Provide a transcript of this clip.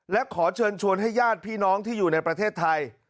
และขอเชิญชวนให้ญาติพี่น้องที่อยู่ในประเทศไทย